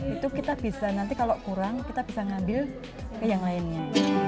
itu kita bisa nanti kalau kurang kita bisa ngambil ke yang lainnya